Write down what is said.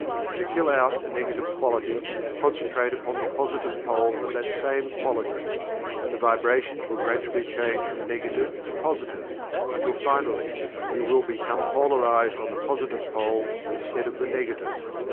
To kill out a Negative quality, concentrate upon the Positive Pole of that same quality, and the vibrations will gradually change from Negative to Positive, until finally you will become polarized on the Positive pole instead of the Negative.